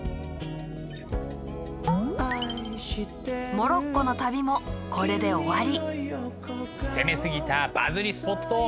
モロッコの旅もこれで終わり。